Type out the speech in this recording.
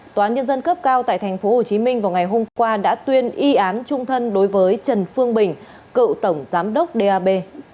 tòa án nhân dân cấp cao tại tp hcm vào ngày hôm qua đã tuyên y án trung thân đối với trần phương bình cựu tổng giám đốc dap